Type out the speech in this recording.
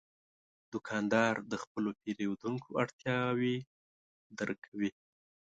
دوکاندار د خپلو پیرودونکو اړتیاوې درک کوي.